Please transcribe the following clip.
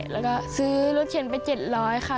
แล้วก็ซื้อรถเข็นไป๗๐๐ค่ะ